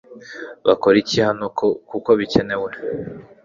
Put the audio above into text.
Bakora iki hano kuko bikenewe